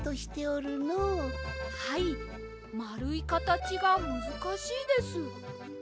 はいまるいかたちがむずかしいです。